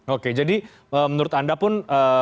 oke jadi menurut anda pun